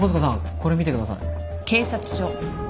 これ見てください。